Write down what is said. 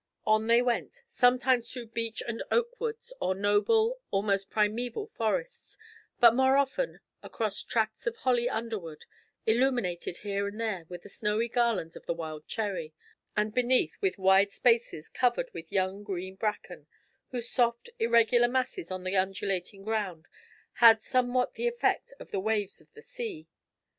On they went, sometimes through beech and oak woods of noble, almost primeval, trees, but more often across tracts of holly underwood, illuminated here and there with the snowy garlands of the wild cherry, and beneath with wide spaces covered with young green bracken, whose soft irregular masses on the undulating ground had somewhat the effect of the waves of the sea.